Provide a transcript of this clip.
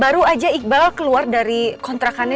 baru aja iqbal keluar dari kontrakannya